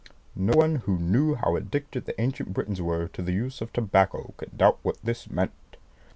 No one who knew how addicted the ancient Britons were to the use of tobacco could doubt what this meant.